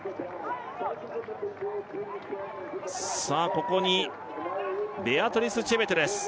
ここにベアトリス・チェベトです